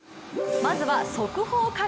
まずは速報から。